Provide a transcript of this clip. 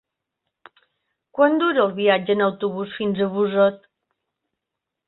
Quant dura el viatge en autobús fins a Busot?